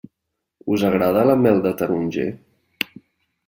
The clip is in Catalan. Us agrada la mel de taronger?